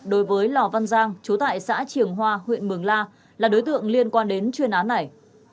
đối với lò văn giang chú tại xã triềng hoa huyện mường la là đối tượng liên quan đến chuyên án này